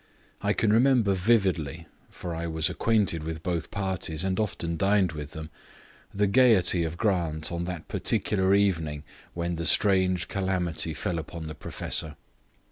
I can remember vividly (for I was acquainted with both parties and often dined with them) the gaiety of Grant on that particular evening when the strange calamity fell upon the professor.